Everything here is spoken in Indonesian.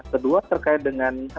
kedua terkait dengan